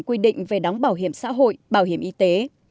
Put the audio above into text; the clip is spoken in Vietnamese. quy định về đóng bảo hiểm xã hội bảo hiểm y tế